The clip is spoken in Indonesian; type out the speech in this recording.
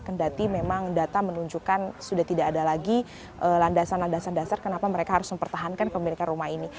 kendati memang data menunjukkan sudah tidak ada lagi landasan landasan dasar kenapa mereka harus mempertahankan pemilikan rumah ini